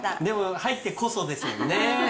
でも入ってこそですもんね。